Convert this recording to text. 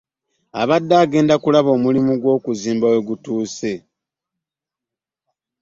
Abadde agenze kulaba omulimu gw'okuzimba wegutuuse